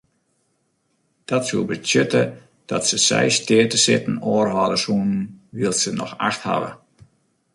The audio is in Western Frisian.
Dat soe betsjutte dat se seis steatesitten oerhâlde soenen wylst se no acht hawwe.